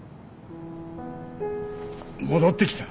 戻ってきた。